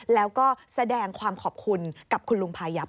แล้วก็แสดงความขอบคุณกับคุณลุงพายับ